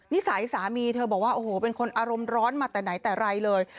นิสัยสามีเธอบอกว่าโอ้โหเป็นคนอารมณ์ร้อนมาแต่ไหนแต่ไรเลย